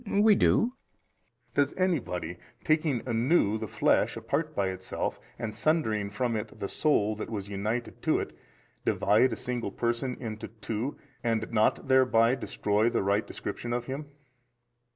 B. We do. A. Does anybody, taking anew the flesh apart by itself, and sundering from it the soul that was united to it, divide a single person into two and not thereby destroy the right description of him?